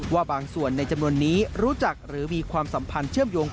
ว่าบางส่วนในจำนวนนี้รู้จักหรือมีความสัมพันธ์เชื่อมโยง